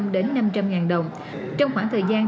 đến năm trăm linh đồng trong khoảng thời gian